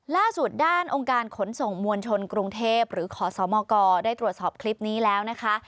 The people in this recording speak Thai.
ล่าสุดด้านองค์การขนส่งมวลชนกรุงเทพหรือขอสมกได้ตรวจสอบคลิปนี้แล้วนะคะ